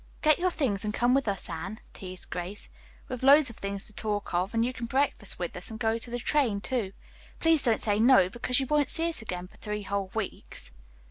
"Get your things and come with us, Anne," teased Grace. "We've loads of things to talk of, and you can breakfast with us, and go to the train, too. Please don't say no, because you won't see us again for three whole weeks."